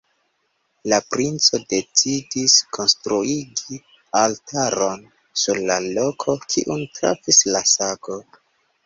La princo decidis konstruigi altaron sur la loko, kiun trafis la sago.